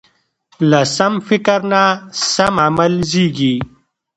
له سم فکر نه سم عمل زېږي.